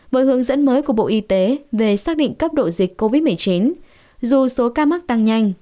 với hướng dẫn mới của bộ y tế về xác định cấp độ dịch covid một mươi chín dù số ca mắc tăng nhanh